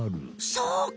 そうか。